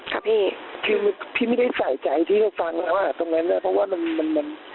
ครับพี่พี่ไม่ได้ใส่ใจที่เราฟังนะว่าตรงนั้นนะเพราะว่ามันมันมัน